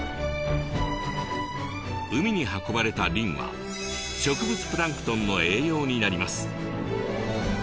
海に運ばれたリンは植物プランクトンの栄養になります。